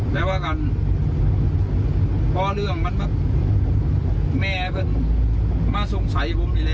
แปลว่าการเป้าหรืองมันแบบแม่มาสงสัยผมเลยแล้ว